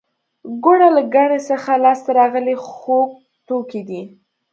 ګوړه له ګني څخه لاسته راغلی خوږ توکی دی